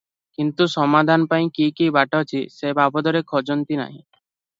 କିନ୍ତୁ ସମାଧାନ ପାଇଁ କି କି ବାଟ ଅଛି ସେ ବାବଦରେ ଖୋଜନ୍ତି ନାହିଁ ।